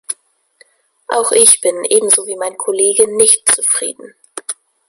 Auch ich bin ebenso wie mein Kollege nicht zufrieden.